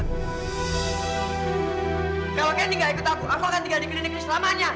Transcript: kalau kendi gak ikut aku aku akan tinggal di klinik ini selamanya